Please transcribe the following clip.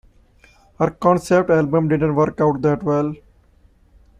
Her concept album didn't work out that well.